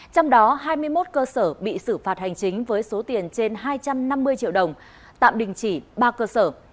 trong đó hai mươi một cơ sở bị xử phạt hành chính với số tiền trên hai trăm năm mươi triệu đồng tạm đình chỉ ba cơ sở